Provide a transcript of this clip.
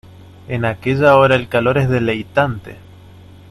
en aquella hora el calor es deleitante.